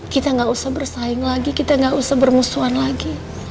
kita nggak usah bersaing lagi kita gak usah bermusuhan lagi